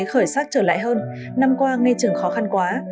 khởi sắc trở lại hơn năm qua nghe chừng khó khăn quá